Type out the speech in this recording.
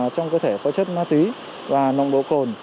trong cơ thể có chất ma túy và nồng độ cồn